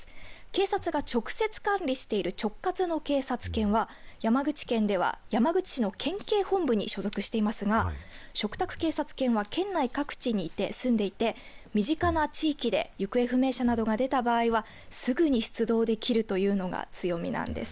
警察が直接管理している直轄の警察犬は山口県では、山口市の県警本部に所属していますが嘱託警察犬は県内各地に住んでいて身近な地域で行方不明者などが出た場合はすぐに出動できるというのが強みなんです。